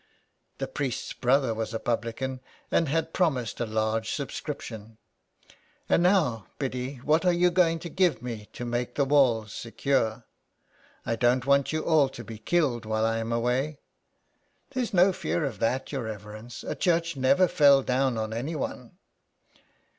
The priest's brother was a publican and had promised a large subscription. " And now, Biddy, what are you SOME PARISHIONERS. going to give me to make the walls secure. I don't want you all to be killed while I am away." " There's no fear of that, your reverence ; a church never fell down on anyone.